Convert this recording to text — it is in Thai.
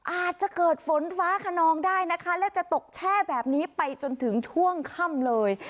อาจจะเกิดฝนฟ้าขนองได้นะคะและจะตกแช่แบบนี้ไปจนถึงช่วงค่ำเลย